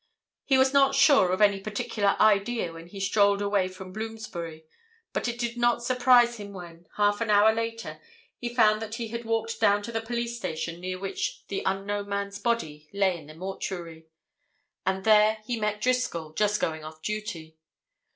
He was not sure of any particular idea when he strolled away from Bloomsbury, but it did not surprise him when, half an hour later he found that he had walked down to the police station near which the unknown man's body lay in the mortuary. And there he met Driscoll, just going off duty.